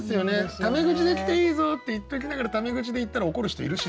「タメ口で来ていいぞ」って言っておきながらタメ口でいったら怒る人いるしね。